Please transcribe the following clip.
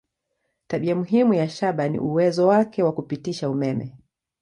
Tabia muhimu ya shaba ni uwezo wake wa kupitisha umeme.